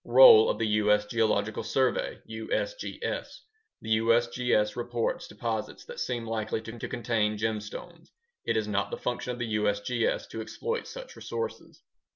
Role of the U.S. Geological Survey (USGS) The USGS reports deposits that seem likely to contain gemstones. It is not a function of the USGS to exploit such resources.